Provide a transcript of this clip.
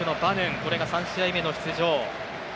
これが３試合目の出場。